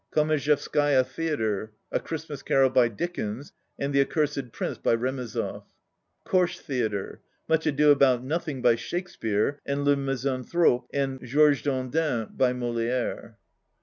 Komissarxhevskaya Theatre. — "A Christmas Carol" by Dickens and "The Accursed Prince" by Remizov. Korsh Theatre. — "Much Ado about Nothing" by Shakespeare and "Le Misanthrope" and "Georges Dandin" by Moliere.